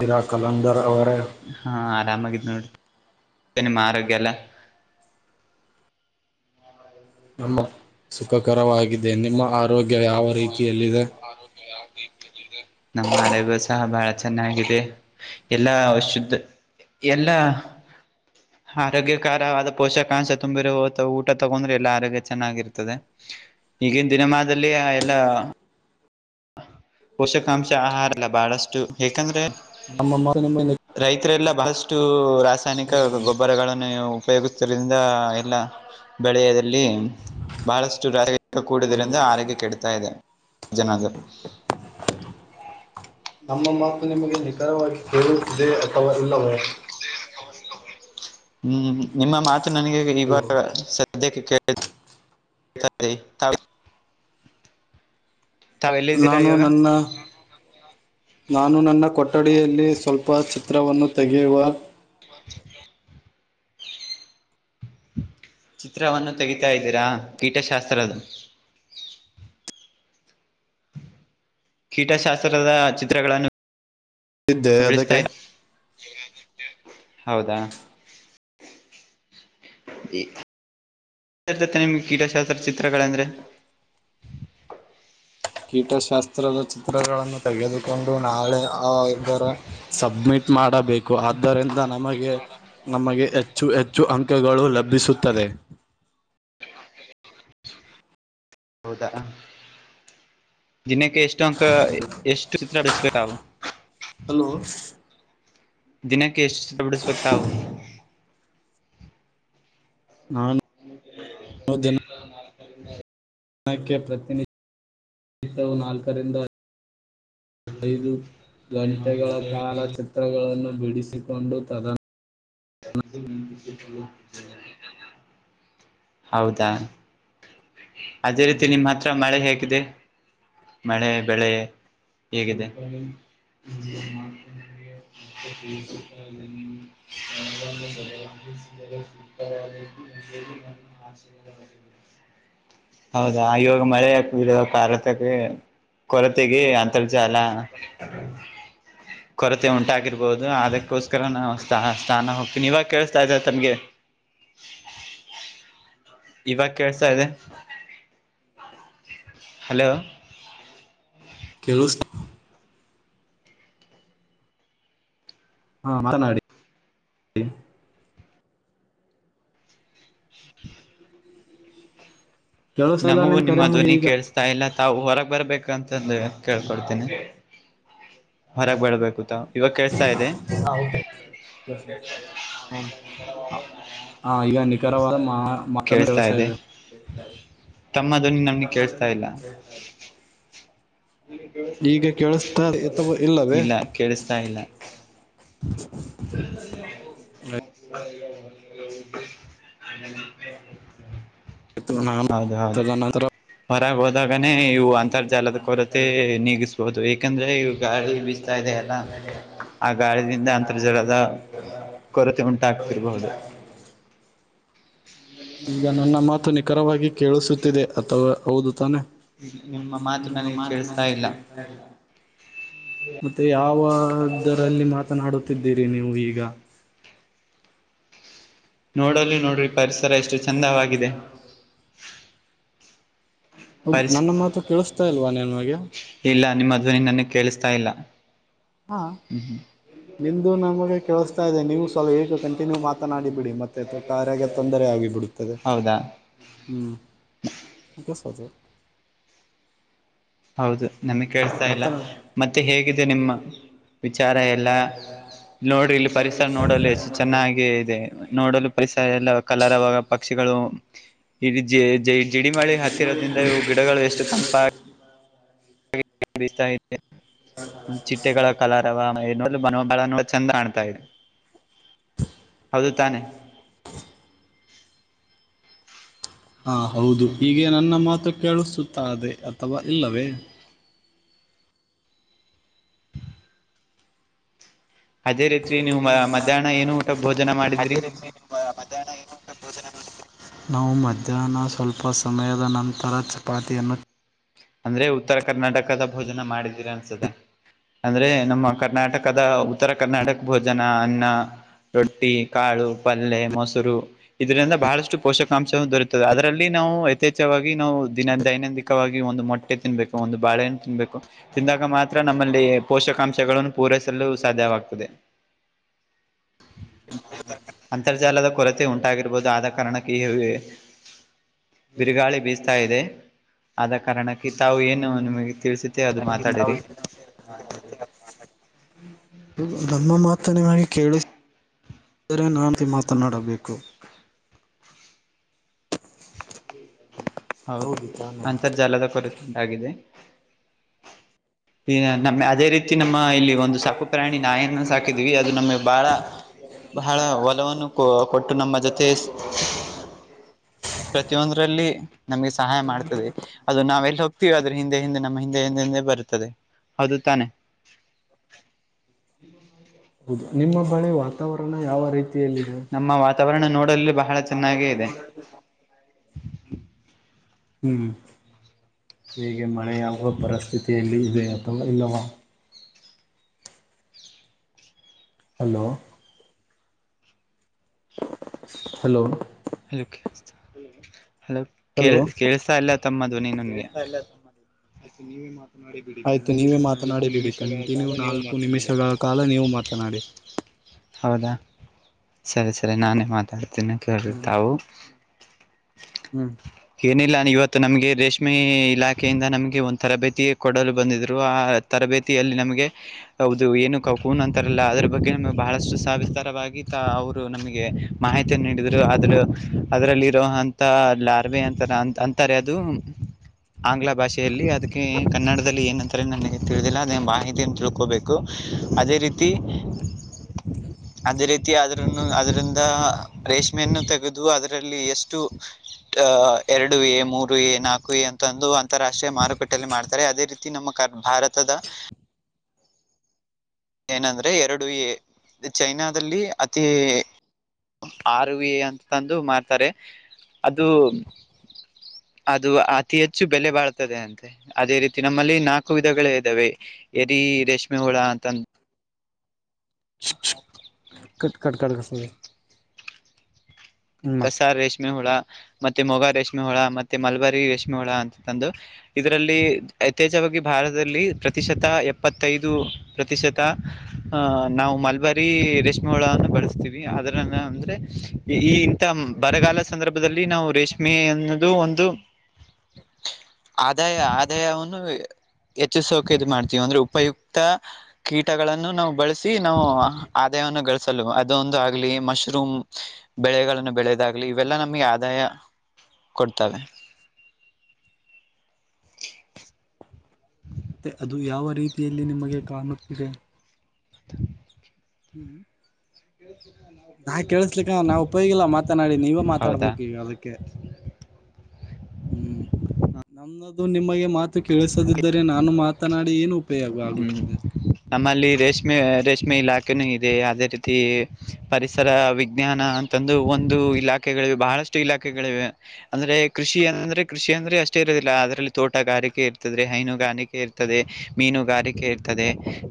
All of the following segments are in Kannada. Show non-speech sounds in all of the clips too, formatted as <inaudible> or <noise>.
<unintelligible> ಕಲಂದರ್ ಅವ್ರೆ. ಹಾ ಆರಾಮಾಗಿದ ನೋಡಿ ನಿಮ್ಮ ಆರೋಗ್ಯ ಎಲ್ಲಾ ನಮ್ಮ ಸುಖಕರವಾಗಿದೆ ನಿಮ್ಮ ಆರೋಗ್ಯ ಯಾವ ರೀತಿಯಲ್ಲಿದೆ. ನಮ್ಮ ಆರೋಗ್ಯ ಸಹ ಬಹಳ ಚೆನ್ನಾಗಿದೆ ಎಲ್ಲಾ ಶುದ್ಧ. ಎಲ್ಲಾ. <inaudible> ಆರೋಗ್ಯಕರವಾದ ಪೋಷಕಾಂಶ ತುಂಬಿರುವಂತ ಊಟ ತಗೊಂಡ್ರೆ ಎಲ್ಲ ಆರೋಗ್ಯ ಚೆನ್ನಾಗಿರ್ತದೆ. ಈಗಿನ ದಿನ ಮಾದಲ್ಲಿ ಎಲ್ಲ. ಪೋಷಕಾಂಶ ಆಹಾರಲ್ಲ ಬಾಳಷ್ಟು ಏಕಂದ್ರೆ. ನಮ್ಮ ಮಾತು ನಿಮ್ಮ. ರೈತರೆಲ್ಲ ಬಹಳಷ್ಟು ರಾಸಾಯನಿಕ ಗೊಬ್ಬರಗಳನ್ನು. ಉಪಯೋಗಿಸ್ರಿಂದ ಎಲ್ಲ. ಬೆಳೆಯದಲ್ಲಿ ಬಹಳಷ್ಟು <unintelligible> ಕೂಡುವುದರಿಂದ ಆರೋಗ್ಯ ಕೆಡತಾಯಿದೆ ಜನ <unintelligible> ನಮ್ಮ ಮಾತು ನಿಮಗೆ ನಿಖರವಾಗಿ ಕೇಳುತಿದ್ದೆ ಅಥವಾ ಇಲ್ಲವೇ. ಹ್ಮ್ ನಿಮ್ಮ ಮಾತು ನನಗೆ ಹಲೋ ಈವಾಗ. ಅದಿಕ್ಕೆ <unintelligible> ತಾವು ಎಲ್ಲಿದ್ದೀರಾ ನಾನು ಇವಾಗ. ನನ್ನ ನಾನು ನನ್ನ ಕೊಠಡಿಯಲ್ಲಿ ಸ್ವಲ್ಪ ಚಿತ್ರವನ್ನು ತೆಗೆಯುವ. ಚಿತ್ರವನ್ನು ತೆಗಿತಾಯಿದ್ದೀರಾ ಕೀಟಶಾಸ್ತ್ರದು. ಕೀಟಶಾಸ್ತ್ರದ ಚಿತ್ರಗಳನ್ನು. ಇದ್ದೆ ಅದಕ್ಕೆ <unintelligible> ಹೌದ. <unintelligible> ನಿಮ್ಮ ಕೀಟಶಾಸ್ತ್ರ ಚಿತ್ರಗಳು ಅಂದ್ರೆ. ಕೀಟಶಾಸ್ತ್ರದ ಚಿತ್ರಗಳನ್ನು ತೆಗೆದುಕೊಂಡು ನಾಳೆ ಇದರ ಸಬ್ಮಿಟ್. ಮಾಡಬೇಕು ಆದ್ದರಿಂದ ನಮಗೆ. ನಮಗೆ ಹೆಚ್ಚು ಹೆಚ್ಚು ಅಂಕಗಳು ಲಭಿಸುತ್ತದೆ. ಹೌದಾ ದಿನಕ್ಕೆ ಎಷ್ಟು ಅಂಕ ಎಷ್ಟು ಚಿತ್ರ ಬೆಡಸ್ಬೇಕು ಹಲೋ ದಿನಕ್ಕೆ ಎಷ್ಟು ಚಿತ್ರ ಬಿಡಿಸಬೇಕು ತಾವು. ನಾನು ದಿನ. <inaudible> ದಿನಕ್ಕೆ ಪ್ರತಿನಿತ್ಯವೂ ನಾಲ್ಕರಿಂದ ಐದು ಗಂಟೆಗಳ ಕಾಲ. ಚಿತ್ರಗಳನ್ನು ಬಿಡಿಸಿಬಂದು ತದ. ಹೌದ. ಅದೇ ರೀತಿ ನಿಮ್ಮ್ ಹತ್ರ ಮಳೆ ಹೇಗಿದೆ. ಮಳೆ ಬೆಳೆ ಹೇಗಿದೆ. <inaudible> <unintelligible> ಹೌದ ಇವಾಗ ಮಳೆ <unintelligible> ಕೊರತೆಗೆ ಅಂತರ್ಜಾಲ. ಕೊರತೆ ಉಂಟಾಗಿರ್ಬೋದು ಅದಕ್ಕೋಸ್ಕರ ನಾವು. ಸ್ಥಾನ ಹೋಗ್ತಿನಿ ಈವಾಗ ಕೇಳಸ್ತಾಯಿದ್ದ ತಮಗೆ. ಇವಾಗ ಕೆಳಸ್ತಾ ಇದೆ. ಹಲೋ. ಕೇಳುಸ್ತ. ಹಾ ಮಾರನಾಡಿ ಡಿ <inaudible> ಕೇಳಿಸಲ್ಲ ನಮಗೂ ನಿಮ್ ನಿಮ್ಮ ಕರೆ ನಮಗೆ ಧ್ವನಿ ಈಗ ಕೇಳ್ಸ್ತಾ ಇಲ್ಲ ತಾವು ಹೊರಗ್ ಬರ್ಬೇಕ ಅಂತಂದ ಕೇಳ್ಕೊತ್ತೇನೆ. ಹೊರಗ ಬೆಳಬೇಕು ತಾವ. ಇವಾಗ ಕೆಳಸ್ತಾ ಇದೆ. ಹಾವುಟೆಕ್ <unintelligible> ಹ ಹ ಈಗ ನಿಖರವಾದ ಮಹಾ ಮಾತನ್ನು ಕೆಳಸ್ತಾ ಇದೆ. <unintelligible> ತಮ್ಮ ಧ್ವನಿ ನಮ್ಗ ಕೆಳಸ್ತಾ ಇಲ್ಲಾ. ಈಗ ಕೇಳಿಸ್ತಾ ಅಥವಾ <unintelligible> ಇಲ್ಲವೇ ಇಲ್ಲಾ ಕೇಳಿಸ್ತಾ ಇಲ್ಲಾ. <unintelligible> <unintelligible> <unintelligible> ನಾಮ ತದನಂತರ. ಹೊರಗ ಹೋದಾಗನೇ ಇವು ಅಂತರ್ಜಾಲದ ಕೊರತೆ ನೀಗಸಬ ಹುದು ಏಕಂದ್ರೆ ಈ ಗಾಳಿ ಬೀಸ್ತಾ ಇದೆ ಅಲಾ ಆ ಗಾಳಿದಿಂದಾ. ಜಳದ ಕೊರತೆ ಉಂಟಾಗ್ತಿರಬಹುದು. ಈಗ ನನ್ನ ಮಾತು ನಿಖರವಾಗಿ ಕೇಳಿಸುತ್ತಿದೆ ಅಥವಾ ಹೌದು ತಾನೆ. ಮಾತು ನಿಮ್ಮ ನನಗೆ ಮಾತ ನ ಕೇಳಿಸ್ತಾ ಇಲ್ಲ ಕೆಳ್ತಾ ಇಲ್ಲಾ. ಮತ್ತೆ ಯಾವ ದರಲ್ಲಿ ಮಾತನಾಡುತ್ತಿದ್ದೀರಿ ನೀವು ಈಗ. ನೋಡಲ್ಲಿ ನೋಡ್ರಿ ಪರಿಸರ ಎಷ್ಟು ಚಂದವಾಗಿದೆ. ಹೌದು ಪರಿಸ್ ನನ್ನ ಮಾತು ಕೇಳಿಸ್ತಾ ಇಲ್ವಾ ನಿಮಗೇ. ಇಲ್ಲಾ ನಿಮ್ಮ ಧ್ವನಿ ನನಗ ಕೇಳಿಸ್ತಾ ಇಲ್ಲಾ. ಹಾ ನಿಂದು ನಮಗ ಕೇಳಿಸ್ತಾ ಇದೆ ನೀವು ಸಹ ಏಕ ಕಂಟಿನ್ಯೂ ಮಾತನಾಡಿ ಬಿಡಿ ಮತ್ತೆ ತೋ ಕಾರ್ಯಾಗೆ ತೊಂದರೆ ಆಗಿ ಬಿಡುತ್ತದೆ ಹೌದಾ ಹ್ಮ. <unintelligible> ಹೌದು ನಮಗ್ ಕೆಳಸ್ತಾ ಇಲ್ಲಾ ಮಾತನಾ ಮತ್ತೆ ಹೇಗಿದೆ ನಿಮ್ಮ ವಿಚಾರ ಎಲ್ಲಾ. ನೋಡು ಇಲ್ಲಿ ಪರಿಸರ ನೋಡಲು ಎಷ್ಟ ಚೆನ್ನಾಗಿ ಇದೆ ನೋಡಲು ಪರಿಸರ ಎಲ್ಲ ಕಲರವಾಗ ಪಕ್ಷಿಗಳು. ಇದ ಜ ಜ ಜೈ ಜಡಿಮಳಿ ಹತ್ತಿರೋದ್ರಿಂದ ಇವು ಗಿಡಗಳು ಎಷ್ಟು ತಂಪಾ <unintelligible> <unintelligible> ಚಿಟ್ಟೆಗಳ ಕಲರವಾ ಇನ್ನೊಂದು ಮನೋಭಾವ ಚಂದ ಕಾಣ್ತಾ ಇದೆ. ಹೌದು ತಾನೆ. ಹಾಂ ಹೌದು ಇಗೆ ನನ್ನ ಮಾತು ಕೇಳಿಸುತ್ತಾದೆ ಅಥವಾ ಇಲ್ಲವೇ. ಅದೇ ರೀತಿ ನೀವು ಮ ಮಧ್ಯಾಹ್ನ ಏನು ಊಟ ಭೋಜನ ಮಾಡಿದ್ರಿ. ಮಧ್ಯಾನಾ ಇದುಂತ ಪೂಜೆ. ನಾವು ಮಧ್ಯಾಹ್ನ ಸ್ವಲ್ಪ ಸಮಯದ ನಂತರ ಚಪಾತಿಯನ್ನು. ಅಂದ್ರೆ ಉತ್ತರ ಕರ್ನಾಟಕದ ಭೋಜನ ಮಾಡಿದೀರಿ ಅನ್ಸುತ್ತೆ. ಅಂದ್ರೆ ನಮ್ಮ ಕರ್ನಾಟಕದ ಉತ್ತರ ಕರ್ನಾಟಕ ಭೋಜನ ಅನ್ನಾ. ರೊಟ್ಟಿ ಕಾಳು ಪಲ್ಲೇ ಮೊಸರು ಇದರಿಂದ ಬಹಳಷ್ಟು ಪೋಷಕಾಂಶ ದೊರೆಯುತದೆ ಅದರಲ್ಲಿ ನಾವು ಯಥೇಚ್ಛವಾಗಿ ನಾವು ದಿನ ದೈನಂದಿಕವಾಗಿ <unintelligible> ಒಂದು ಮೊಟ್ಟೆ ತಿನ್ಬೇಕು ಒಂದು ಬಾಳೆ ಹಣ್ಣು ತಿನ್ಬೇಕು ತಿಂದಾಗ ಮಾತ್ರ ನಮ್ಮಲ್ಲಿ ಪೋಷಕಾಂಶಗಳನ್ನು ಪೂರೈಸಲು ಸಾಧ್ಯವಾಗ್ತದೆ. <inaudible> ಅಂತರ್ಜಾಲದ ಕೊರತೆ ಉಂಟಾಗಿರ್ಬೋದು ಆದ ಕಾರಣಕ್ಕೆ <unintelligible> ಬಿರುಗಾಳಿ ಬೀಸ್ತಾ ಇದೆ. ಆದ ಕಾರಣಕ್ಕೆ ತಾವು ಏನು ನಿಮಗೆ ತಿಳಿಸುತ್ತೆ ಅದು ಮಾತಾಡಿರಿ <unintelligible> ನಮ್ಮ ಮಾತನೆವಾಣಿ ಕೇಳುಸ್ ಆದರೆ <unintelligible> ಮಾತನಾಡಬೇಕು. ಹೌದು ಅಂತರ್ಜಾಲದ ಕೊರತೆ ಉಂಟಾಗಿದೆ ಈಗ ನಮ್ <unintelligible> ಅದೇ ರೀತಿ ನಮ್ಮ ಇಲ್ಲಿ ಒಂದು ಸಾಕುಪ್ರಾಣಿ ನಾಯನ್ನು ಸಾಕಿದ್ವಿ ಅದು ನಮ್ಗೆ ಬಹಳ ಬಹಳ ಒಲವನ್ನು ಕೊ ಕೊಟ್ಟು ನಮ್ಮ ಜೊತೆ ಪ್ರತಿಯೊಂದ್ರಲ್ಲಿ ನಮ್ಗೆ ಸಹಾಯ ಮಾಡ್ತದೆ ಅದು ನಾವೆಲ್ಲಿ ಹೋಗ್ತಿವ್ <unintelligible> ಹಿಂದೆ ಹಿಂದೆ ನಮ್ಮ ಹಿಂದೆ ಹಿಂದೆ ಹಿಂದೆ ಬರುತ್ತದೆ ಹೌದು ತಾನೆ? <inaudible> ಹೌದು ನಿಮ್ಮ ಬಳಿ ವಾತಾವರಣ ಯಾವ ರೀತಿಯಲ್ಲಿದೆ? ನಮ್ಮ ವಾತಾವರಣ ನೋಡಲು ಬಹಳ ಚೆನ್ನಾಗೇ ಇದೆ. ಹ್ಮ ಹೀಗೆ ಮಳೆೆಯಾಗುವ ಪರಿಸ್ಥಿತಿಯಲ್ಲಿ ಇದೆ ಅಥವಾ ಇಲ್ಲವ? ಹಲೋ ಹಲೋ <unintelligible> ಹಲೋ ಕೇಳ್ಸ್ತಾ ಇಲ್ಲ ತಮ್ಮ ಧ್ವನಿ ನನ್ಗೆ? ಕೇಳಿಸ್ತಾ ಇಲ್ಲ ಸಂಬಂಧ <unintelligible> ಆಯ್ತು ನೀವೇ ಮಾತನಾಡಿ ಬಿಡಿ ಕಂಟಿನ್ಯೂ ನಾಲ್ಕು ನಿಮಿಷಗಳ ಕಾಲ ನೀವು ಮಾತನಾಡಿ. ಹೌದಾ ಸರಿ ಸರಿ ನಾನೇ ಮಾತಾಡ್ತೀನಿ ಕೇಳಿ ತಾವು. ಹ್ಮ ಏನಿಲ್ಲ ಇವತ್ತು ನಮಗೆ ರೇಷ್ಮೆ ಇಲಾಖೆಯಿಂದ ನಮಗೆ ಒಂದು ತರಬೇತಿ ಕೊಡಲು ಬಂದಿದ್ರು ಆ ತರಬೇತಿಯಲ್ಲಿ ನಮಗೆ ಹೌದು ಏನು ಕಕುನ್ ಅಂತಾರಲ್ಲ ಅದ್ರು ಬಗ್ಗೆನು ಬಹಳಷ್ಟು ಸಾವಿಸ್ತಾರವಾಗಿ ತಾ ಅವರು <unintelligible> ನಮಗೆ ಮಾಹಿತಿ ನೀಡಿದ್ರು ಅದ್ರು ಅದರಲ್ ಇರೋ ಅಂತ ಲಾ <unintelligible> ಅಂತಾರ ಅ ಅಂತಾರೆ ಅದು ಆಂಗ್ಲ ಭಾಷೆಯಲ್ಲಿ ಅದಕ್ಕೆ ಕನ್ನಡದಲ್ಲಿ ಏನಂತಾರೆ ನನಗೆ ತಿಳಿದಿಲ್ಲ ಅದೇ ಮಾಹಿತಿಯನ್ ತಿಳ್ಕೋಬೇಕು. <unintelligible> ಅದೇ ರೀತಿ ಅದೇ ರೀತಿ ಅದ್ರನ್ನು ಅದ್ರಂದ ರೇಷ್ಮೆಯನ್ನು ತೆಗೆದು ಅದ್ ರಲ್ಲಿ ಎಷ್ಟು? ಅ ಎರಡು ಎ ಮೂರು ಎ ನಾಲ್ಕು ಎ ಅಂತಂದು ಅಂತಾರಾಷ್ಟ್ರೀಯ ಮಾರುಕಟ್ಟೆಯಲ್ಲಿ ಮಾಡ್ತಾರೆ ಅದೇ ರೀತಿ ನಮ್ಮ ಕ ಭಾರತ್ ತದ ಏನಂದ್ರೆ ಎರಡು ಎ ಚೈನಾದಲ್ಲಿ ಅತಿ ಆರ್ ವಿ ಅಂತಂದು ಮಾರ್ತಾರೆ ಅದು ಅದು ಅತಿ ಹೆಚ್ಚು ಬೆಲೆ ಬಾಳ್ತದೆ ಅಂತೆ. ಅದೇ ರೀತಿ ನಮ್ಮಲ್ಲಿ ನಾಲ್ಕು ವಿಧಗಳೇ ಇದಾವೆ ಎರಿ ರೇಷ್ಮೆ ಹುಳ ಅಂತ ಅಂದ್ ಕಟ್ ಕಟ್ಕಟ್ಗಸ ಮತ್ತೆ ಕಸಾರ್ ರೇಷ್ಮೆ ಹುಳ ಮತ್ತೆ ಮೊಗ ರೇಷ್ಮೆ ಹುಳ ಮತ್ತೆ ಮಲಬರಿ ರೇಷ್ಮೆ ಹೋಳ ಅಂತ ತಂದು ಇದರಲ್ಲಿ ಯಥೇಚ್ಚವಾಗಿ ಭಾರತದಲ್ಲಿ ಪ್ರತಿಶತ ಎಪ್ಪತ್ತೈದು ಪ್ರತಿಶತ ನಾವು. ಈ ಬಾರಿ ರೇಷ್ಮೆ ಹಳನ್ನ ಬಳಸ್ತೀವಿ ಅದ್ರನ್ನ ಅಂದ್ರೆ ಈ. ಬರಗಾಲ ಸಂದರ್ಭದಲ್ಲಿ ನಾವು ರೇಷ್ಮೆಯ ಅನ್ನು. ಇದು ಒಂದು ಆದಾಯ ಆದಾಯವನ್ನು. ಹೆಚ್ಚು ಸೌಕರ್ಯ ಮಾಡ್ತೀವಿ ಅಂದ್ರೆ ಉಪಯುಕ್ತ. ಕೀಟಗಳನ್ನು ನಾವು ಬಳಸಿ ನಾವು ಆದಾಯವನ್ನು ಗಳಿಸಲು ಅದೊಂದು ಆಗ್ಲಿ ಮಶ್ರೂಮ್. ಬೆಳೆಗಳನ್ನು ಬೆಳೆದಾಗ್ಲಿ ಇವೆಲ್ಲಾ ನಮ್ಗೆ ಆದಾಯ ಕೊಡ್ತವೆ. <inaudible> ಮತ್ತೆ ಅದು ಯಾವ ರೀತಿಯಲ್ಲಿ ನಿಮಗೆ ಕಾಣುತ್ತಿದೆ. <inaudible> ಹ್ಮ್. <unintelligible> ನಾ ಕೇಳಸ್ಲಿಕ್ಕ ನಾ್ ಉಪಯೋಗಿಲ್ಲ ಮಾತನಾಡಿ ನೀವೇ ಹೌದಾ. ಮಾತಾಡ್ಬೇಕು ಈಗ ಅದಕ್ಕೆ. ಹ್ಮ್ ನನ್ನದುು ನಿಮಗೆ ಮಾತ್ ಕೇಳಿಸದಿದ್ದರೆ ನಾನು ಮಾತನಾಡಿ ಏನು ಉಪಯೋಗ ಹ್ಮ್ ಆಗುತ್ತದೆ. ನಮ್ಮಲ್ಲಿ ರೇಷ್ಮೆ ರೇಷ್ಮೆ ಇಲಾಖೆನೂ ಇದೆ ಅದೇ ರೀತಿ ಪರಿಸರ ವಿಜ್ಞಾನ. ತಂದು ಒಂದು ಇಲಾಖೆಗಳಿವೆ ಬಹಳಷ್ಟು ಇಲಾಖೆಗಳಿವೆ. ಅಂದ್ರೆ ಕೃಷಿ ಅಂದ್ರೆ ಕೃಷಿ ಅಂದ್ರೆ ಅಷ್ಟೇ ಇರದಿಲ್ಲ ಅದರಲ್ಲಿ ತೋಟಗಾರಿಕೆ. ಇರ್ತದೆ ಹೈನುಗಾರಿಕೆ ಇರ್ತದೆ, ಮೀನುಗಾರಿಕೆ ಇರ್ತದೆ,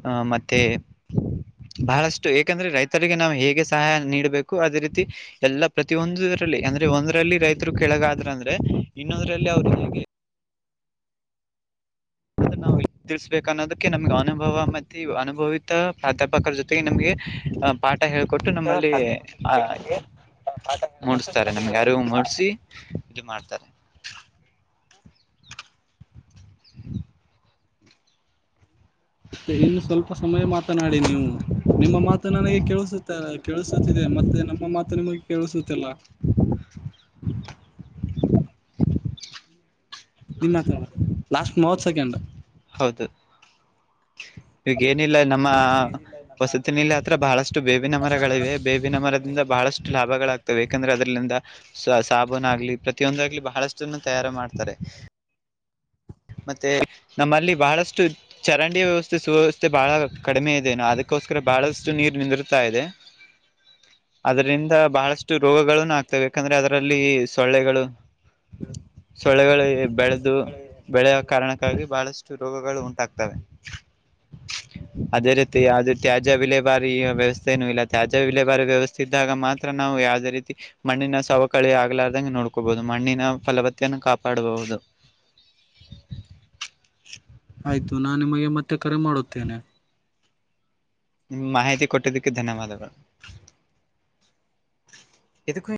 ಅಹ ಮತ್ತೆ. <inaudible> ಬಹಳಷ್ಟು ಯಾಕಂದ್ರೆ ರೈತರಿಗೆ ನಾವು ಹೇಗೆ ಸಹಾಯ ನೀಡಬೇಕು ಅದೇ ರೀತಿ. ಎಲ್ಲಾ ಪ್ರತಿಯೊಂದರಲ್ಲಿ ಅಂದ್ರೆ ಒಂದರಲ್ಲಿ ರೈತರು ಕೆಳಗಾದ್ರ ಅಂದ್ರೆ ಇನ್ನೊಂದ್ರಲ್ಲಿ ಅವ್ರು ಹೇಗೆ <inaudible> ತಿಳಿಸಬೇಕು ಅನ್ನೋದಕ್ಕೆ ನಮ್ಗೆ ಅನುಭವ ಮತ್ತು ಅನುಭವಿತ ಪ್ರಾಧ್ಯಾಪಕರ ಜೊತೆಗೆ ನಮಗೆ. ಪಾಠ ಹೇಳ್ಕೊಟ್ಟು ನಮ್ಮಲ್ಲಿ ಆ. ಹ ಮೂಡಿಸ್ತಾರೆ ನಮ್ಗೆ ಯಾರ ಮೂಡಿಸಿ ಇದು ಮಾಡ್ತಾರೆ. ಮತ್ತೆ ಇನ್ನು ಸ್ವಲ್ಪ ಸಮಯ ಮಾತನಾಡಿ ನೀವು. ನಿಮ್ಮ ಮಾತು ನನಗೆ ಕೇಳಿಸುತ್ತ ಕೇಳಿಸುತ್ತಿದೆ ಮತ್ತೆ ನಮ್ಮ ಮಾತು ನಿಮಗೆ ಕೇಳಿಸುತ್ತಿಲ್ಲ. <unintelligible> ನಿನ್ನ ಹತ ಲಾಸ್ಟ್ ಮೂವತ್ ಸೆಕೆಂಡ್. ಹೌದು ಈಗ ಏನಿಲ್ಲ ನಮ್ಮ. ವಸತಿನಲ್ಲಿ ಹತ್ರ ಬಹಳಷ್ಟು ಬೇವಿನ ಮರಗಳಿವೆ ಬೇವಿನ ಮರದಿಂದ ಬಹಳಷ್ಟು ಲಾಭಗಳಾಗ್ತವೆ. ಏಕಂದ್ರೆ ಅದ್ರಲಂದ ಸ ಸಾಬೂನ್ ಆಗ್ಲಿ ಪ್ರತಿಯೊಂದಾಗ್ಲಿ ಬಹಳಷ್ಟನ ತಯಾರು ಮಾಡ್ತಾರೆ. ಮತ್ತೆ ನಮ್ಮಲ್ಲಿ ಬಹಳಷ್ಟು ಚರಂಡಿ ವ್ಯವಸ್ಥೆ. ಸುವ್ಯವಸ್ಥೆ ಬಹಳ ಕಡಿಮೆ ಇದೆ ಅದಕ್ಕೋಸ್ಕರ ಬಹಳಷ್ಟು ನೀರ್ ನಿಂದೃತ್ ಇದೆ. ಅದರಿಂದ ಬಹಳಷ್ಟು ರೋಗಗಳನು ಆಗ್ತವೆ ಯಾಕಂದ್ರೆ ಅದರಲ್ಲಿ ಸೊಳ್ಳೆಗಳು. ಸೊಳ್ಳೆಗಳು ಬೆಳೆದು ಬೆಳೆ ಹಾಕ್. ಕಾರಣಕ್ಕಾಗಿ ಬಹಳಷ್ಟು ರೋಗಗಳು ಉಂಟಾಗ್ತವೆ. ಅದೇ ರೀತಿ ಅದು ತ್ಯಾಜ್ಯ ವಿಲೇ ಬಾರಿ. ವ್ಯವಸ್ಥೆ ನನು ಇಲ್ಲ ತ್ಯಾಜ್ಯ ವಿಲೇ ಬಾರಿ ವ್ಯವಸ್ಥೆ ಇದ್ದಾಗ ಮಾತ್ರ ನಾವು ಯಾವವುದೇ ರೀತಿ ಮಣ್ಣಿನ ಸವಕಲಿ. ಕಳಿ ಆಗ್ಲಾರ್ದಂಗೆ ನೋಡ್ಕೋಬಹುದು ಮಣ್ಣಿನ ಫಲವತನ್ನು ಕಾಪಾಡಬಹುದು. ಆಯ್ತು ನಾ ನಿಮಗೆ ಮತ್ತೆ ಕರೆ ಮಾಡುತ್ತೇನೆ. ನಿಮ್ ಮಾಹಿತಿ ಕೊಟ್ಟಿದ್ದಕ್ಕೆ ಧನ್ಯವಾದಗಳು ಇದಕ್ಕೂ.